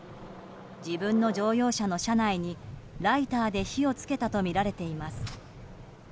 自分の乗用車の車内にライターで火を付けたとみられています。